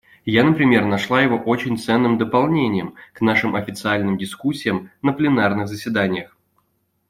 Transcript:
Я, например, нашла его очень ценным дополнением к нашим официальным дискуссиям на пленарных заседаниях.